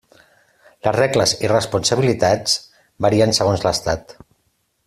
Les regles i responsabilitats varien segons l'estat.